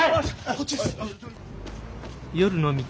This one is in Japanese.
こっちです！